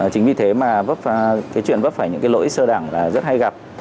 chính vì thế chuyện vấp phải những lỗi sơ đẳng rất hay gặp